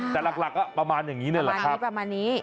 แต่หลักลักพี่เนี่ยประมาณนี้